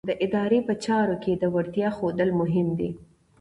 د ادارې په چارو کې د وړتیا ښودل مهم دي.